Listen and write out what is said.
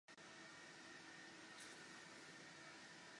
同月被母校台北县新庄市新庄国民小学评为杰出校友。